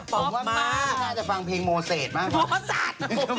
ผมว่ามากน่าจะฟังเพลงโมเศษมาก